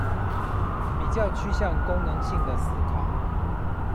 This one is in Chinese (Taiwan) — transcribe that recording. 比較趨向功能性的思考